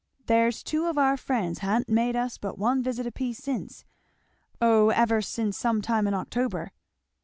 "There's two of our friends ha'n't made us but one visit a piece since oh, ever since some time in October!"